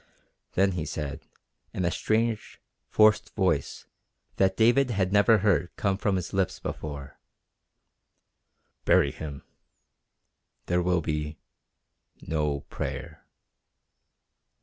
Then he said, in a strange, forced voice that David had never heard come from his lips before: "Bury him. There will be no prayer."